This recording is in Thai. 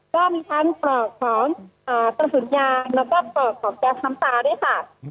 ก็มีทั้งปลอกของกระสุนยางแล้วก็ปลอกของแก๊สน้ำตาด้วยค่ะ